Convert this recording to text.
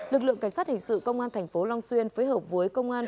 lực lượng cảnh sát hình sự công an tp long xuyên phối hợp với công an